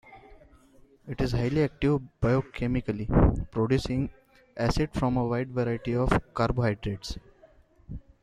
It is highly active biochemically, producing acid from a wide variety of carbohydrates.